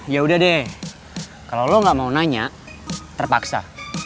yaudah deh kalo lu gak mau nanya terpaksa